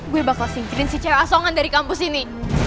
gue bakal singkirin si cewek asongan dari kampus ini